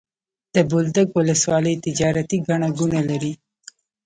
د بولدک ولسوالي تجارتي ګڼه ګوڼه لري.